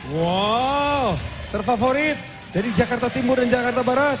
wow terfavorit dari jakarta timur dan jakarta barat